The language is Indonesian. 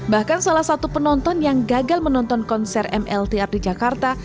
bahkan salah satu penonton yang gagal menonton konser mltr di jakarta